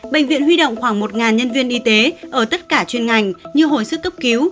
bệnh viện huy động khoảng một nhân viên y tế ở tất cả chuyên ngành như hồi sức cấp cứu